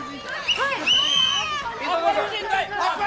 はい！